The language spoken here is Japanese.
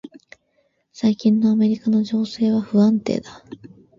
最近のアメリカの情勢は不安定だ。